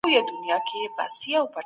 سوداګر به خپله پانګه له راکد کیدو ژغوري.